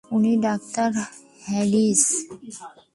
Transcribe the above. উনি doctor Harris.